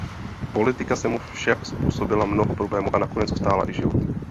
Politika se mu však způsobila mnoho problémů a nakonec ho stála i život.